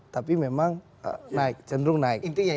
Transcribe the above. tapi memang naik cenderung naik intinya